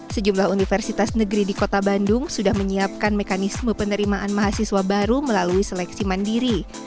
sejumlah universitas negeri di kota bandung sudah menyiapkan mekanisme penerimaan mahasiswa baru melalui seleksi mandiri